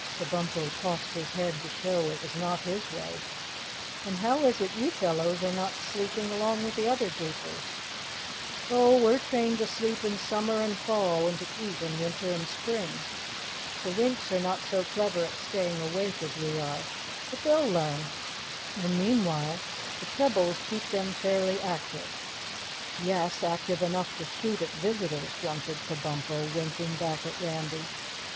Kabumpo tossed his head to show it was not his way. "Then how is it you fellows are not sleeping along with the other Gapers?" "Oh, we're trained to sleep in summer and fall and to eat in winter and spring. The Winks are not so clever at staying awake as we are, but they'll learn, and meanwhile the pebbles keep them fairly active." "Yes, active enough to shoot at visitors," grunted Kabumpo, winking back at Randy.